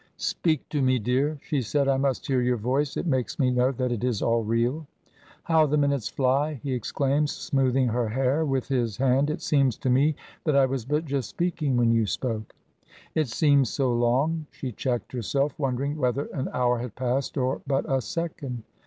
"Speak to me, dear," she said. "I must hear your voice it makes me know that it is all real." "How the minutes fly!" he exclaimed, smoothing her hair with his hand. "It seems to me that I was but just speaking when you spoke." "It seems so long " She checked herself, wondering whether an hour had passed or but a second.